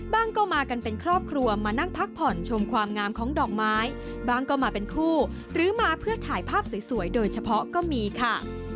ก็มากันเป็นครอบครัวมานั่งพักผ่อนชมความงามของดอกไม้บ้างก็มาเป็นคู่หรือมาเพื่อถ่ายภาพสวยโดยเฉพาะก็มีค่ะ